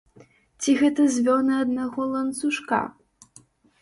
Ці гэта звёны аднаго ланцужка?